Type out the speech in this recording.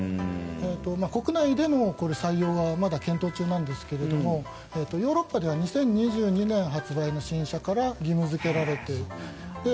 国内でも採用はまだ検討中なんですがヨーロッパでは２０２２年発売の新車から義務付けられている。